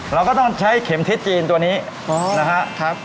เราก็ต้องใช้เข็มทิศจีนตัวนี้นะครับ